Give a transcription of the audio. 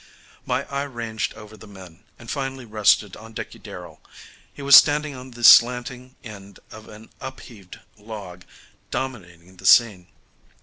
My eye ranged over the men, and finally rested on Dickey Darrell. He was standing on the slanting end of an upheaved log dominating the scene.